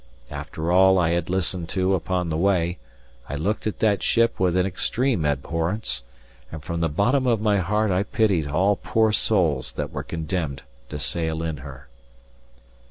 After all I had listened to upon the way, I looked at that ship with an extreme abhorrence; and from the bottom of my heart I pitied all poor souls that were condemned to sail in her.